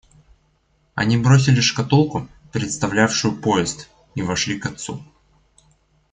Они бросили шкатулку, представлявшую поезд, и вошли к отцу.